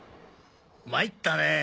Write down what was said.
参ったね。